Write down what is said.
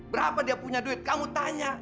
berapa dia punya duit kamu tanya